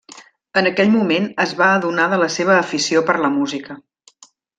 En aquell moment es va adonar de la seva afició per la música.